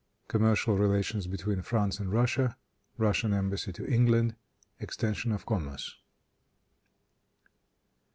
Commercial Relations Between France and Russia. Russian Embassy to England. Extension of Commerce.